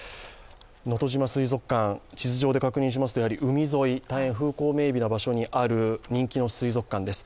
のとじま水族館地図上で確認しますと海沿い、大変風光明媚な場所にある人気の水族館です。